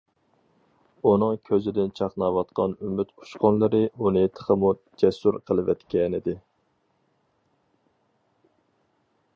ئۇنىڭ كۆزىدىن چاقناۋاتقان ئۈمىد ئۇچقۇنلىرى ئۇنى تېخىمۇ جەسۇر قىلىۋەتكەنىدى.